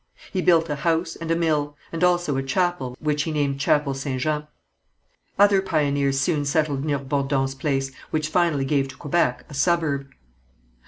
He built a house and a mill, and also a chapel, which he named Chapel St. Jean. Other pioneers soon settled near Bourdon's place, which finally gave to Quebec a suburb.